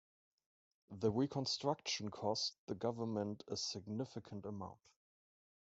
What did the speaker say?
The reconstruction cost the government a significant amount.